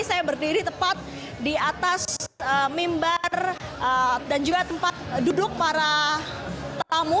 saya berdiri tepat di atas mimbar dan juga tempat duduk para tamu